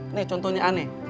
ini contohnya aneh